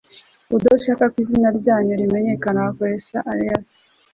udashaka ko izina ryanyu rimenyekana wakoresha alias